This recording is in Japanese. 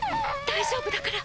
大丈夫だから。